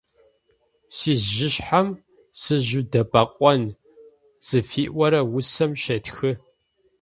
«Сижъышъхьэм сыжъудэбэкъон» зыфиӏорэ усэм щетхы.